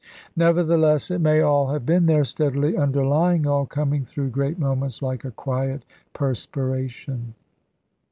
Nevertheless, it may all have been there, steadily underlying all, coming through great moments, like a quiet perspiration.